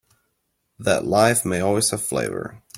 That life may always have flavor.